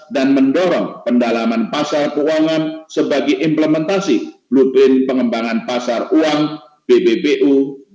dan mendorong pendalaman pasar keuangan sebagai implementasi lupin pengembangan pasar uang bbpu dua ribu dua puluh lima